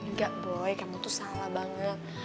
enggak boy kamu tuh salah banget